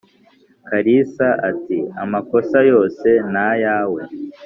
kalisa ati"amakosa yose nayawe